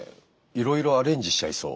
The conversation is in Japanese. いろいろアレンジしちゃいそう。